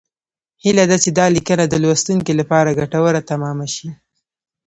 هیله ده چې دا لیکنه د لوستونکو لپاره ګټوره تمامه شي